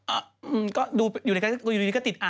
อ่าก็ดูอยู่ในกระทะ